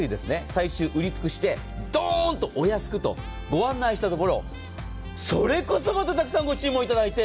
最終売り尽くしでドーンとお安くとご案内したところそれこそ、またたくさんご注文いただいて。